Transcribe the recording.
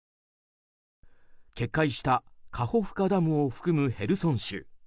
決壊したカホフカダムを含むヘルソン州。